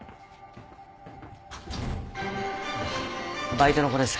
バイトの子です。